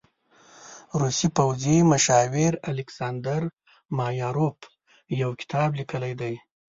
روسي پوځي مشاور الکساندر مایاروف يو کتاب لیکلی دی.